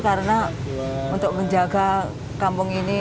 karena untuk menjaga kampung ini